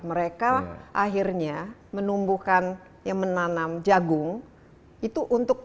mereka akhirnya menumbuhkan yang menanam jagung itu untuk